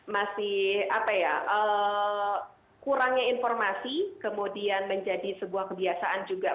masih apa ya kurangnya informasi kemudian menjadi sebuah kebiasaan juga